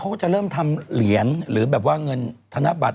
เขาก็จะเริ่มทำเหรียญหรือแบบว่าเงินธนบัตร